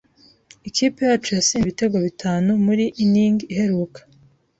Ikipe yacu yatsinze ibitego bitanu muri inning iheruka.